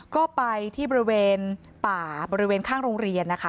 ก็ไปที่บริเวณป่าบริเวณข้างโรงเรียนนะคะ